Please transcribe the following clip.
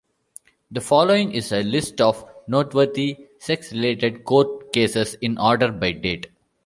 The following is a list of noteworthy sex-related court cases in order by date.